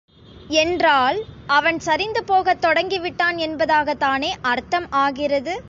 என்றால், அவன் சரிந்து போகத் தொடங்கி விட்டான் என்பதாகத் தானே அர்த்தம் ஆகிறது.